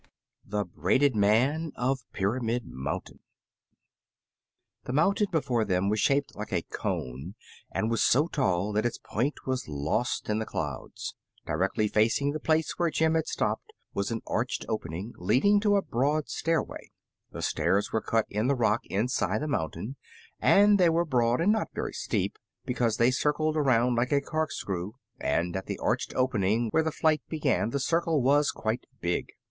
THE BRAIDED MAN OF PYRAMID MOUNTAIN The mountain before them was shaped like a cone and was so tall that its point was lost in the clouds. Directly facing the place where Jim had stopped was an arched opening leading to a broad stairway. The stairs were cut in the rock inside the mountain, and they were broad and not very steep, because they circled around like a cork screw, and at the arched opening where the flight began the circle was quite big.